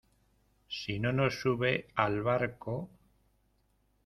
si no nos sube al barco...